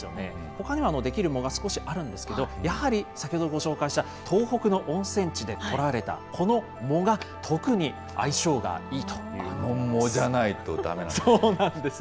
ほかにはできる藻が少しあるんですけど、やはり先ほどご紹介した東北の温泉地で取られたこの藻が特に相性がいいということです。